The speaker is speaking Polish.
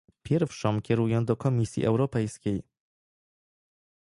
Pierwszą kieruję do Komisji Europejskiej